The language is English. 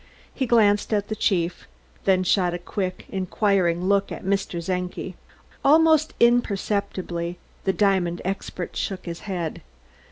He glanced at the chief, then shot a quick, inquiring look at Mr. Czenki. Almost imperceptibly the diamond expert shook his head.